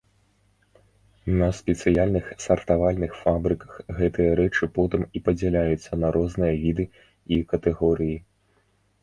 На спецыяльных сартавальных фабрыках гэтыя рэчы потым і падзяляюцца на розныя віды і катэгорыі.